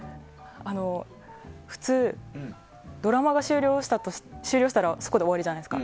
普通、ドラマが終了したらそこで終わりじゃないですか。